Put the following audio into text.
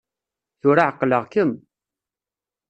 Tura ɛeqleɣ-kem!